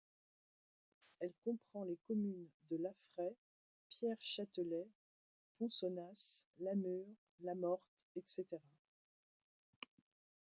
Elle comprend les communes de Laffrey, Pierre-Châtelet, Ponsonnas, la Mure, Lamorte, etc.